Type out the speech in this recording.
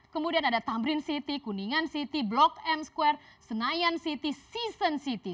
kemudian ada tamrin city kuningan city blok m square senayan city season city